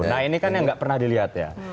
nah ini kan yang nggak pernah dilihat ya